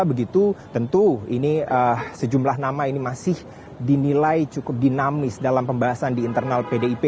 begitu tentu ini sejumlah nama ini masih dinilai cukup dinamis dalam pembahasan di internal pdip